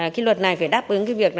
cái luật này phải đáp ứng cái việc